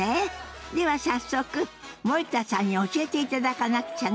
では早速森田さんに教えていただかなくちゃね。